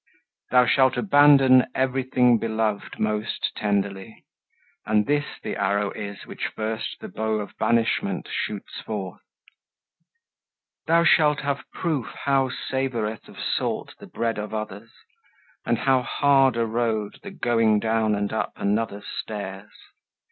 Thou shalt abandon everything beloved Most tenderly, and this the arrow is Which first the bow of banishment shoots forth. Thou shalt have proof how savoureth of salt The bread of others, and how hard a road The going down and up another's stairs.